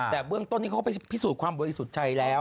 แต่เบื้องต้นนี้เขาก็ไปพิสูจน์ความบริสุทธิ์ใจแล้ว